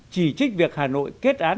chỉ trích việc hà nội kết án